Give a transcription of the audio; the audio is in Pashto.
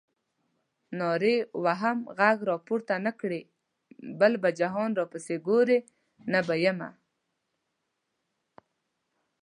نارې وهم غږ راته نه کړې بیا به جهان راپسې ګورې نه به یمه.